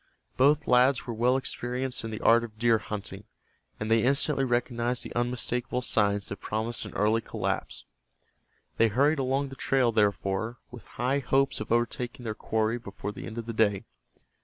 Both lads were well experienced in the art of deer hunting, and they instantly recognized the unmistakable signs that promised an early collapse. They hurried along the trail, therefore, with high hopes of overtaking their quarry before the end of the day.